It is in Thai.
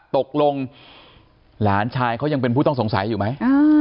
ตกลงหลานชายเขายังเป็นผู้ต้องสงสัยอยู่ไหม